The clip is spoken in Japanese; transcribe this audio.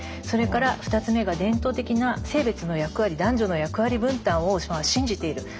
それから２つ目が伝統的な性別の役割男女の役割分担を信じている。